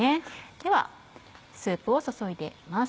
ではスープを注いで行きます。